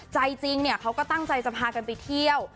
ใจจริงเนี่ยเขาก็ตั้งใจจะพากันไปเที่ยว